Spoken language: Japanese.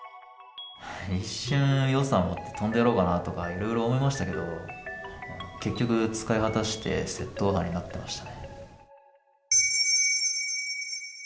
一瞬、予算を持って飛んでやろうかなとか、いろいろ思いましたけれども、結局使い果たして窃盗犯になってましたね。